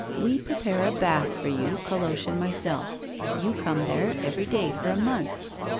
We prepare a bath for you, Coloche and myself. You come there every day for a month.